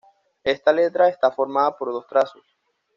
Esta letra está formada por dos trazos.